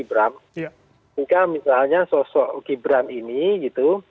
jika misalnya sosok gibran ini gitu